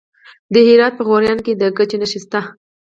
د هرات په غوریان کې د ګچ نښې شته.